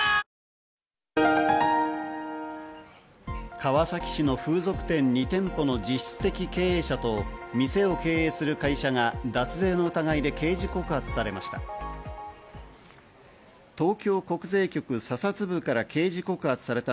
川崎市の風俗店２店舗の実質的経営者と店を経営する会社が脱税の疑いで刑事告発されました。